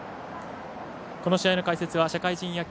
この試合の解説は社会人野球